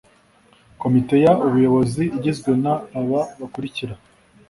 Komite y ubuyobozi igizwe n aba bakurikira